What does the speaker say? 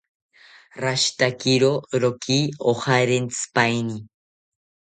Rashitakiro roki ojarentsipaeni